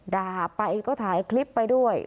ด่าไปก็ถ่ายคลิปไปด้วย